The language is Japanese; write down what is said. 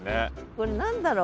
これ何だろう？